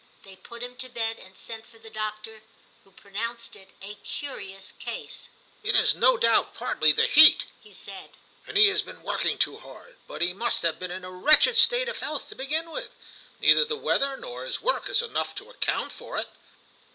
They put him to bed and sent for the doctor, who pronounced it a curious case. * It is no doubt partly the heat,' he said, * and he has been working too hard ; but he must have been in a wretched state of health to begin with ; neither the weather nor his work is enough to account for it.